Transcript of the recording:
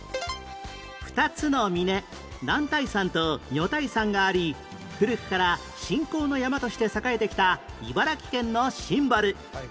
２つの峰男体山と女体山があり古くから信仰の山として栄えてきた茨城県のシンボル